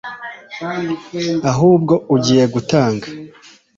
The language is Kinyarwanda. ahubwo ugiye gutanga